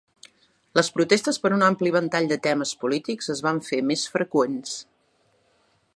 Les protestes per un ampli ventall de temes polítics es van fer més freqüents.